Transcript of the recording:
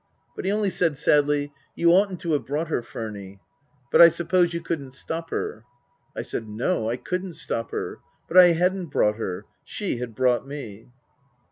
But he only said sadly, " You oughtn't to have brought her, Furny. But I suppose you couldn't stop her." I said, No, I couldn't stop her. But I hadn't brought her. She had brought me.